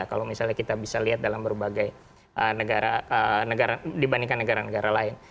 kalau misalnya kita bisa lihat dalam berbagai negara dibandingkan negara negara lain